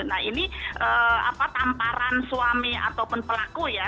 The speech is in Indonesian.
nah ini tamparan suami ataupun pelaku ya